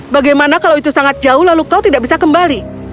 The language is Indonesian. bagaimana kalau itu sangat jauh lalu kau tidak bisa kembali